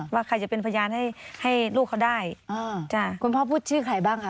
ว่าใครจะเป็นพยานให้ให้ลูกเขาได้อ่าจ้ะคุณพ่อพูดชื่อใครบ้างคะ